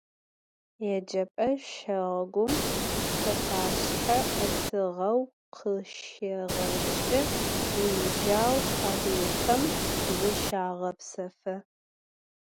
Yêcep'e şagum senaşshe etığeu khışêğeç'ı, yijau sabıyxem zışağepsefı.